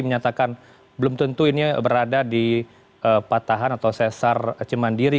menyatakan belum tentu ini berada di patahan atau sesar cemandiri